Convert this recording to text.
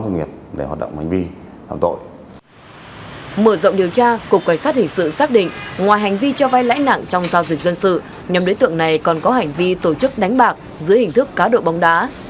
mở rộng điều tra cục cảnh sát hình sự xác định ngoài hành vi cho vai lãi nặng trong giao dịch dân sự nhóm đối tượng này còn có hành vi tổ chức đánh bạc dưới hình thức cá độ bóng đá